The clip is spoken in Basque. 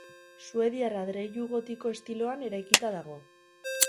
Suediar adreilu gotiko estiloan eraikita dago.